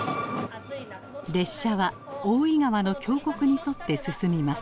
列車は大井川の峡谷に沿って進みます。